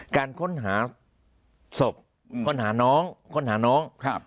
การค้นหาศพค้นหาน้องค้นหาน้อง